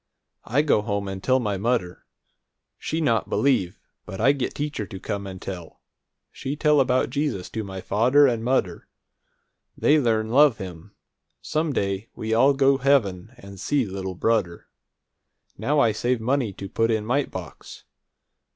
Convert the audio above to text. I go home and tell my mudder. She not believe, but I get teacher to come and tell. She tell about Jesus to my fadder and mudder. They learn love him. Some day we all go heaven and see little brudder! Now I save money to put in mite box.